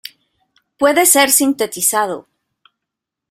Puede ser sintetizado.